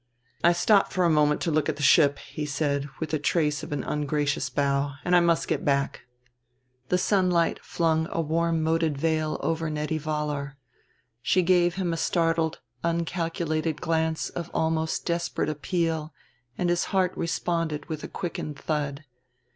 "I stopped for a moment to look at the ship," he said, with the trace of an ungracious bow, "and must get back." The sunlight flung a warm moted veil over Nettie Vollar. She gave him a startled uncalculated glance of almost desperate appeal and his heart responded with a quickened thud.